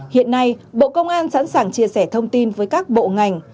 hiện nay bộ công an sẵn sàng chia sẻ thông tin với các bộ ngành